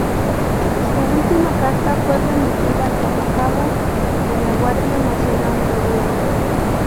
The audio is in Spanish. Su última carta fue remitida como cabo en la Guardia Nacional Noruega.